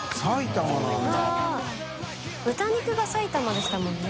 豚肉が埼玉でしたもんね。